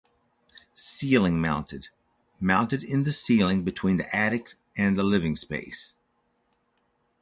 Ceiling Mounted: Mounted in the ceiling between the attic and living space.